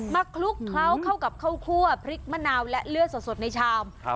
คลุกเคล้าเข้ากับข้าวคั่วพริกมะนาวและเลือดสดในชาม